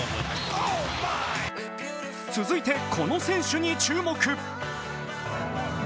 続いて、この選手に注目。